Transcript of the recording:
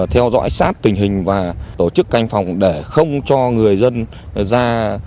theo dõi sát tình hình và tổ chức canh phòng để không cho người dân ra